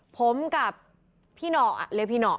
ผมกับพี่หน่อเรียกพี่หน่อ